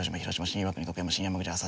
新岩国徳山新山口厚狭